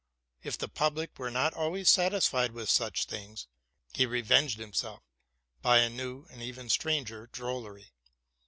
If the public were not always satisfied with such things, he revenged himself by a new and even stranger drollery.